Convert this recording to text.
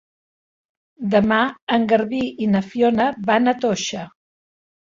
Demà en Garbí i na Fiona van a Toixa.